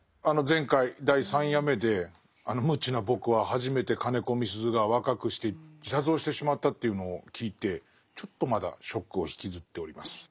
前回第３夜目で無知な僕は初めて金子みすゞが若くして自殺をしてしまったというのを聞いてちょっとまだショックを引きずっております。